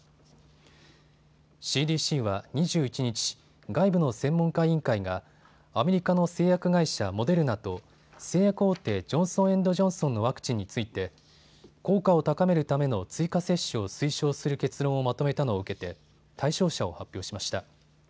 ＣＤＣは２１日、外部の専門家委員会がアメリカの製薬会社、モデルナと製薬大手、ジョンソン・エンド・ジョンソンのワクチンについて効果を高めるための追加接種を推奨する結論をまとめたのを受けて対象者を発表しました。